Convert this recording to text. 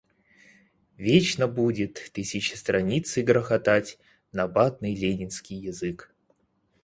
Вечно будет тысячестраницый грохотать набатный ленинский язык.